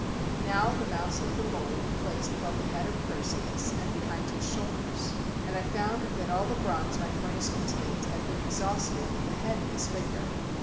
Now the mouths of the mold were placed above the head of Perseus and behind his shoulders; and I found that all the bronze my furnace contained had been exhausted in the head of this figure.